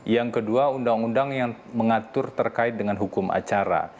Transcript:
yang kedua undang undang yang mengatur terkait dengan hukum acara